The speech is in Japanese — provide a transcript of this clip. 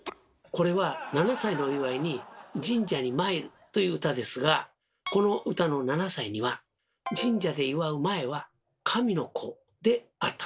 これは７歳のお祝いに神社に参るという歌ですがこの歌の「７歳」には神社で祝う前は「神の子」であった。